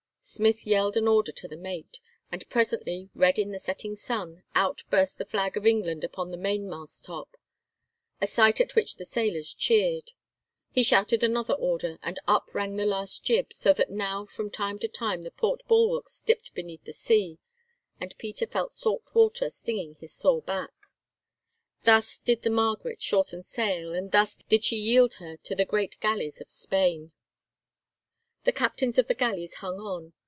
Smith yelled an order to the mate, and presently, red in the setting sun, out burst the flag of England upon the mainmast top, a sight at which the sailors cheered. He shouted another order, and up ran the last jib, so that now from time to time the port bulwarks dipped beneath the sea, and Peter felt salt water stinging his sore back. Thus did the Margaret shorten sail, and thus did she yield her to the great galleys of Spain. The captains of the galleys hung on.